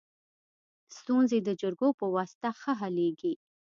ستونزي د جرګو په واسطه ښه حلیږي.